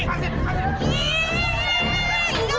ngga mau ku suar aja lo eh